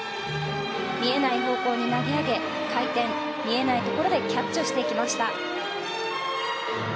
見えない方向に投げ上げ、回転見えないところでキャッチをしていきました。